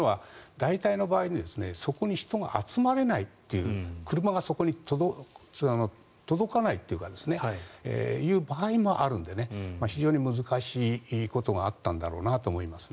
大体の場合人がそこに集まれないという車がそこに届かないというかそういう場合もあるので非常に難しいことがあったんだろうなと思いますね。